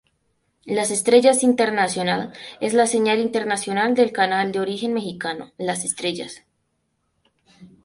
Las Estrellas Internacional es la señal internacional del canal de origen mexicano, Las Estrellas.